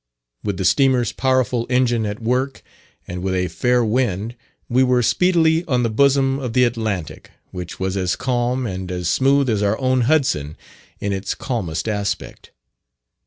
With the steamer's powerful engine at work, and with a fair wind, we were speedily on the bosom of the Atlantic, which was as calm and as smooth as our own Hudson in its calmest aspect.